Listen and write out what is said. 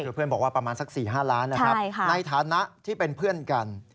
คือเพื่อนบอกว่าประมาณสัก๔๕ล้านนะครับในฐานะที่เป็นเพื่อนกัน